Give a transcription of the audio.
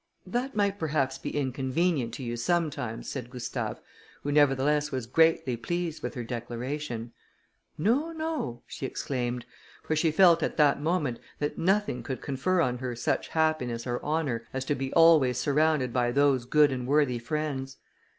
"That might perhaps be inconvenient to you sometimes," said Gustave, who nevertheless was greatly pleased with her declaration. "No, no," she exclaimed; for she felt at that moment that nothing could confer on her such happiness or honour, as to be always surrounded by those good and worthy friends.